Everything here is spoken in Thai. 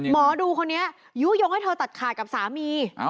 หมอดูคนนี้ยุโยงให้เธอตัดขาดกับสามี